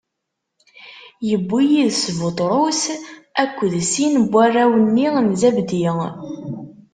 Iwwi yid-s Buṭrus akked sin n warraw-nni n Zabdi.